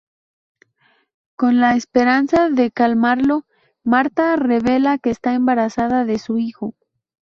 Con la esperanza de calmarlo, Martha revela que está embarazada de su hijo.